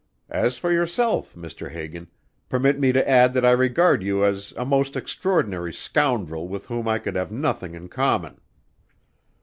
As for yourself, Mr. Hagan, permit me to add that I regard you as a most extraordinary scoundrel with whom I could have nothing in common."